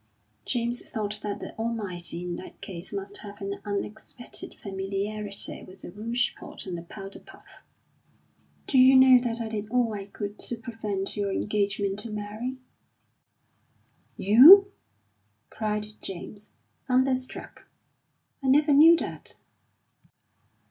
James thought that the Almighty in that case must have an unexpected familiarity with the rouge pot and the powder puff. "Do you know that I did all I could to prevent your engagement to Mary?" "You!" cried James, thunderstruck. "I never knew that."